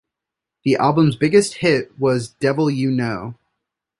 The album's biggest hit was 'Devil You Know.